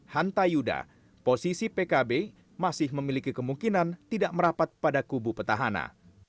hanta yuda posisi pkb masih memiliki kemungkinan tidak merapat pada kubu petahana